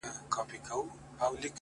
• په سندرو په غزل په ترانو کي,